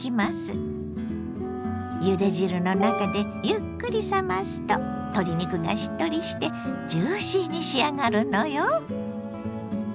ゆで汁の中でゆっくり冷ますと鶏肉がしっとりしてジューシーに仕上がるのよ。